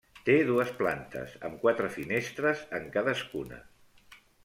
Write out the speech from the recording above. Té dues plantes amb quatre finestres en cadascuna.